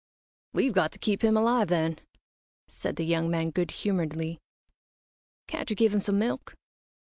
"We've got to keep him alive, then," said the young man, good humouredly. "Can't you give him some milk?"